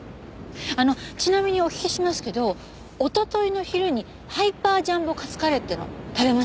あのちなみにお聞きしますけどおとといの昼にハイパージャンボカツカレーっていうの食べましたよね？